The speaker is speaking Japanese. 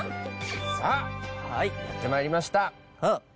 さあやってまいりました。